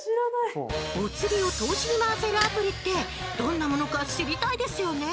おつりを投資に回せるアプリってどんなものか知りたいですよね？